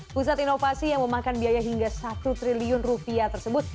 pusat inovasi yang memakan biaya hingga satu triliun rupiah tersebut